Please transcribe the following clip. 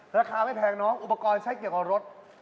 ราคาไม่แพงน้องอุปกรณ์ใช้เกี่ยวกับรถ